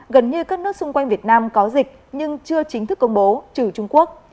gần như các nước xung quanh việt nam có dịch nhưng chưa chính thức công bố trừ trung quốc